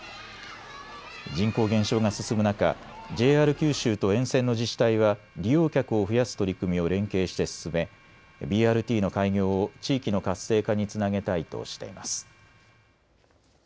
人口減少が進む中、ＪＲ九州と沿線の自治体は利用客を増やす取り組みを連携して進めＢＲＴの開業を地域の活性化につなげたいとしています。